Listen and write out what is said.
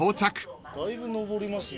だいぶ登りますね。